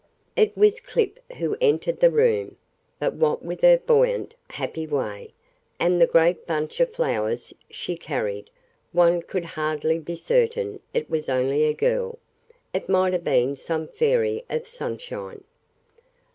It was Clip who entered the room, but what with her buoyant, happy way, and the great bunch of flowers she carried, one could hardly be certain it was only a girl it might have been some fairy of sunshine.